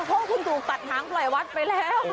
โภคคุณตูปัดหางไปแล้ว